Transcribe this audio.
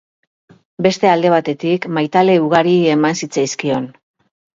Beste alde batetik, maitale ugari eman zitzaizkion.